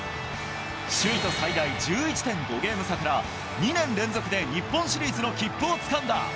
首位と最大１１．５ゲーム差から２年連続で日本シリーズの切符をつかんだ。